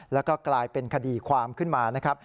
แล้วก็กลายเป็นคดีความขึ้นมานะครับ